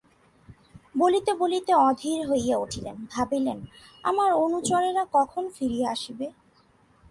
বলিতে বলিতে অধীর হইয়া উঠিলেন, ভাবিলেন– আমার অনুচরেরা কখন ফিরিয়া আসিবে?